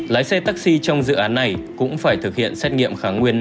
lái xe taxi trong dự án này cũng phải thực hiện xét nghiệm kháng nguyên